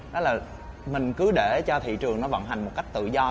đó là mình cứ để cho thị trường nó vận hành một cách tự do